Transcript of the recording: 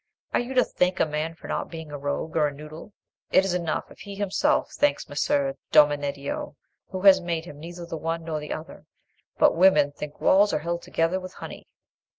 Are you to thank a man for not being a rogue or a noodle? It's enough if he himself thanks Messer Domeneddio, who has made him neither the one nor the other. But women think walls are held together with honey."